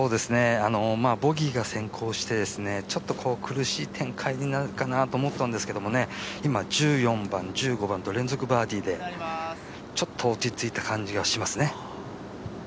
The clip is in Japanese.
ボギーが先行してちょっと苦しい展開になるかなと思ったんですけど今、１４番、１５番と連続バーディーでちょっと落ち着いた感じがしますね。